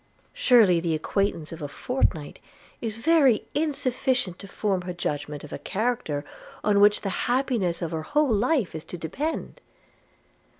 Surely the acquaintance of a fortnight is very insufficient to form her judgment of a character on which the happiness of her whole life is to depend.